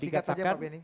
singkat saja pak benny